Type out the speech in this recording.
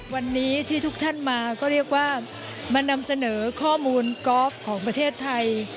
วันนี้ที่ทุกท่านมาก็เรียกว่ามานำเสนอข้อมูลกอล์ฟของประเทศไทย